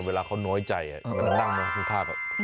เวลาเขาน้อยใจมันจะตั้งโดนชุณภาพ